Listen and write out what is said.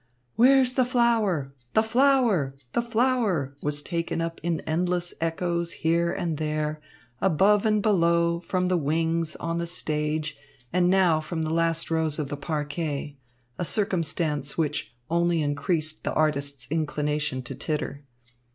"Where's the flower? The flower! The flower!" was taken up in endless echoes here and there, above and below, from the wings, on the stage, and now from the last rows of the parquet a circumstance which only increased the artists' inclination to titter.